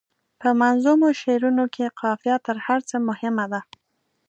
په منظومو شعرونو کې قافیه تر هر څه مهمه ده.